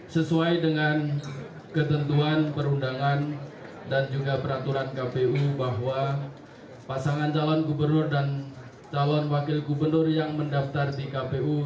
sesuai dengan ketentuan perundangan dan juga peraturan kpu bahwa pasangan calon gubernur dan calon wakil gubernur yang mendaftar di kpu